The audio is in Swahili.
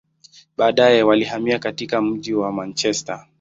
Baadaye, walihamia katika mji wa Manchester.